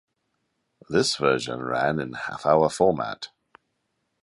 This version ran in half-hour format.